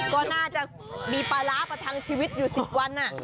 ก็น่าจะมีปลาร้าประทังชีวิตอยู่๑๐วัน